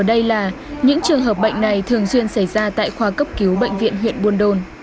đây là những trường hợp bệnh này thường bị bệnh viện